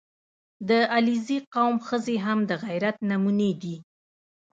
• د علیزي قوم ښځې هم د غیرت نمونې دي.